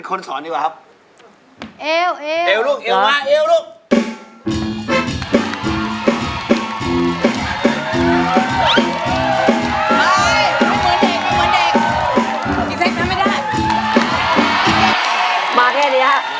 โครงงานนี้มากก่อนติดตามทางด้านนี้